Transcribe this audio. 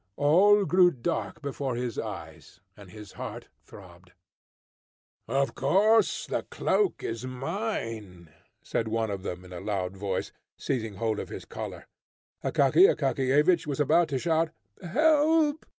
All grew dark before his eyes, and his heart throbbed. "Of course, the cloak is mine!" said one of them in a loud voice, seizing hold of his collar. Akaky Akakiyevich was about to shout "Help!"